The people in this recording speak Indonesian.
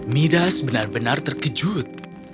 midas benar benar terkejut